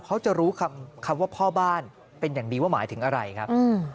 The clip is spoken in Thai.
เขาจะรู้คำว่าพ่อบ้านเป็นอย่างดีว่าหมายถึงอะไรครับ